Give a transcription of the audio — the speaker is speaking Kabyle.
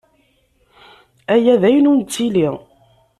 Aya d ayen ur nettili.